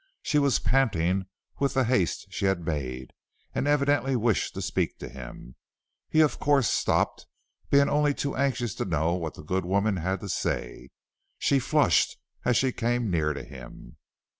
She was panting with the haste she had made, and evidently wished to speak to him. He of course stopped, being only too anxious to know what the good woman had to say. She flushed as she came near to him.